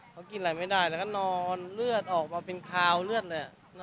เขากินอะไรไม่ได้แล้วก็นอนเลือดออกมาเป็นคาวเลือดเลย